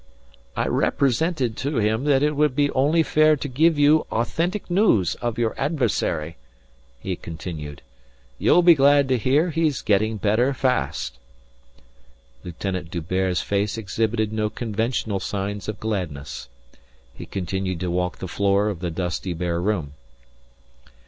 "I represented to him that it would be only fair to give you authentic news of your adversary," he continued. "You'll be glad to hear he's getting better fast." Lieutenant D'Hubert's face exhibited no conventional signs of gladness. He continued to walk the floor of the dusty bare room.